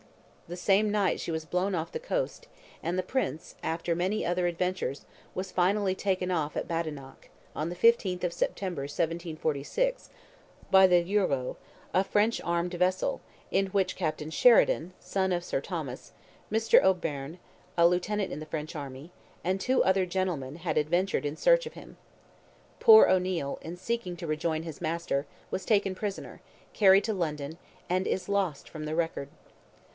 The same night she was blown off the coast, and the prince, after many other adventures, was finally taken off at Badenoch, on the 15th of September, 1746, by the L'Heureux, a French armed vessel, in which Captain Sheridan (son of Sir Thomas), Mr. O'Beirne, a lieutenant in the French army, "and two other gentlemen," had adventured in search of him. Poor O'Neil, in seeking to rejoin his master, was taken prisoner, carried to London, and is lost from the record.